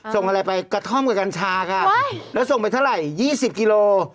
ส่งอะไรไปกระท่อมกับกัญชาครับแล้วส่งไปเท่าไหร่๒๐กิโล